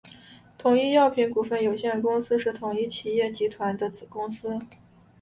统一药品股份有限公司是统一企业集团的子公司。